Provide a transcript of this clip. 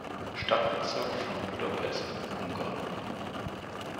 Stadtbezirk von Budapest, Ungarn